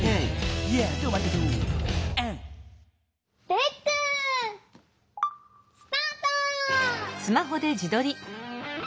レックスタート！